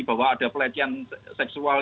bahwa ada pelatihan seksual